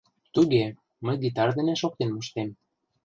— Туге, мый гитар дене шоктен моштем.